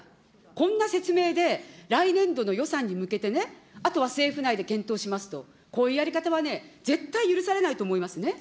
こんな説明で、来年度の予算に向けてね、あとは政府内で検討しますと、こういうやり方は絶対許されないと思いますね。